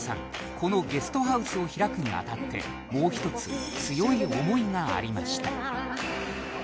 このゲストハウスを開くにあたってもう一つ強い思いがありました